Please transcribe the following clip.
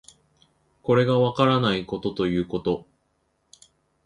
これがわからないことということ